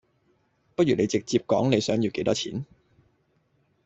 不如你直接講你想要幾多錢